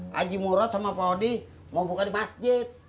haji murad sama pak odi mau buka di masjid